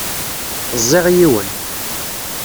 Ẓẓiɣ yiwen.